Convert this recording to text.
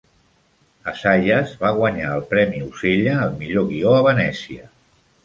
Assayas va guanyar el premi Osella al millor guió a Venècia.